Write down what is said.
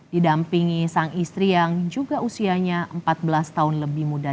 didampingi sang istri yang juga usianya empat belas tahun lebih muda